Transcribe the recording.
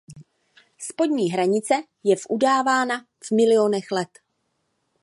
Spodní hranice je v udávána v milionech let.